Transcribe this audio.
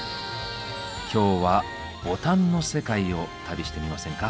今日はボタンの世界を旅してみませんか？